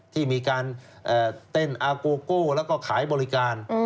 ที่มีการเต้นอาโกโก้แล้วก็ขายบริการ